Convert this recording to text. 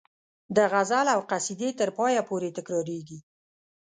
د غزل او قصیدې تر پایه پورې تکراریږي.